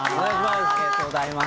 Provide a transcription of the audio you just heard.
ありがとうございます。